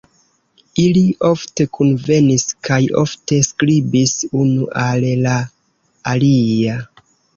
Ili ofte kunvenis kaj ofte skribis unu al la alia.